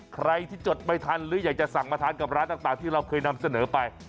ใครที่จดไม่ทันหรืออยากจะสั่งมาทานกับร้านต่างที่เราเคยนำเสนอไป